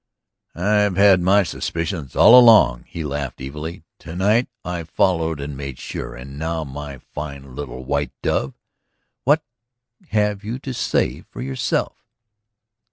"I've had my suspicions all along," he laughed evilly. "To night I followed and made sure. And now, my fine little white dove, what have you to say for yourself?"